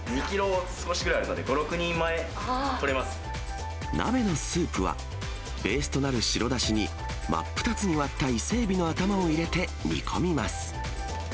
２キロ少しぐらいあるので、５、鍋のスープは、ベースとなる白だしに、真っ二つに割った伊勢エビの頭を入れて煮込みます。